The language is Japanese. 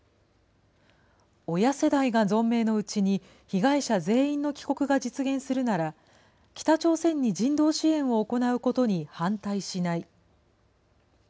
親世代が存命のうちに、被害者全員の帰国が実現するなら北朝鮮に人道支援を行うことに反対しない。